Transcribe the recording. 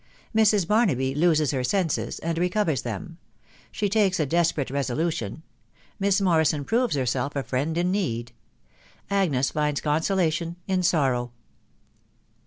MRS. BARNABY LOSES HER SENSES, AMD RECOVERS THEM. — SHE TAKES A DESPERATE RESOLUTION. — MISS MORRISON PROVES HERSELF A FRIEND IN NEED. AGNES FINDS CONSOLATION IN SORROW.